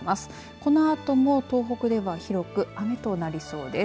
このあとも東北では広く雨となりそうです。